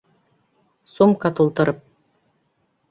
Сумка тултырып.